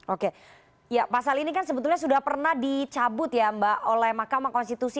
oke ya pasal ini kan sebetulnya sudah pernah dicabut ya mbak oleh mahkamah konstitusi